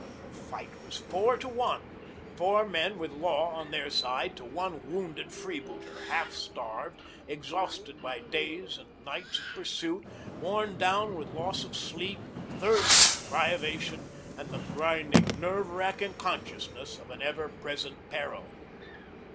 The fight was four to one four men with law on their side, to one wounded freebooter, half starved, exhausted by days and nights of pursuit, worn down with loss of sleep, thirst, privation, and the grinding, nerve racking consciousness of an ever present peril.